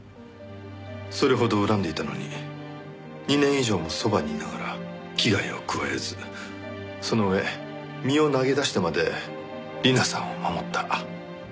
それほど恨んでいたのに２年以上もそばにいながら危害を加えずその上身を投げ出してまで里奈さんを守った。